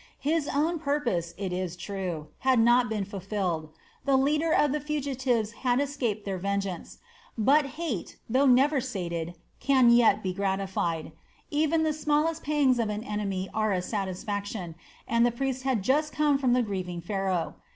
His own purpose, it is true, had not been fulfilled, the leader of the fugitives had escaped their vengeance, but hate, though never sated, can yet be gratified. Even the smallest pangs of an enemy are a satisfaction, and the priest had just come from the grieving Pharaoh.